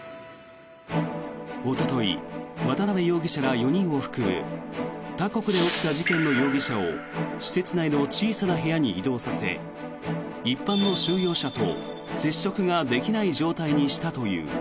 おととい、渡邉容疑者４人を含む他国で起きた事件の容疑者を施設内の小さな部屋に移動させ一般の収容者と接触ができない状態にしたという。